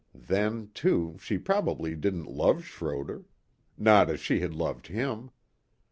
Then, too, she probably didn't love Schroder. Not as she had loved him.